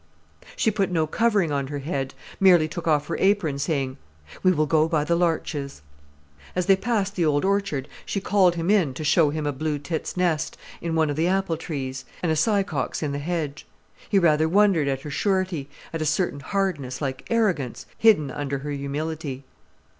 She put no covering on her head, merely took off her apron, saying, "We will go by the larches." As they passed the old orchard, she called him in to show him a blue tit's nest in one of the apple trees, and a sycock's in the hedge. He rather wondered at her surety, at a certain hardness like arrogance hidden under her humility.